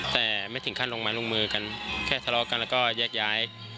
แต่ไม่ถึงขั้นลงไม้ลงมือกันแค่ทะเลาะกันแล้วก็แยกย้าย